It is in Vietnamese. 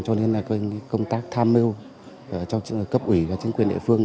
cho nên là công tác tham mưu cho cấp ủy và chính quyền địa phương